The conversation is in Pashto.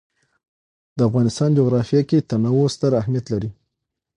د افغانستان جغرافیه کې تنوع ستر اهمیت لري.